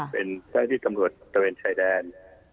เป็นแข่งธุ์ที่ตำรวจตระเวินเฉยแดน